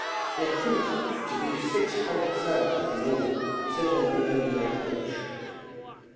There proved to be six hundred savages in all set on preventing their approach.